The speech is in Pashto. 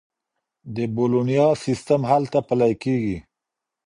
د بولونیا سیستم هلته پلي کیږي.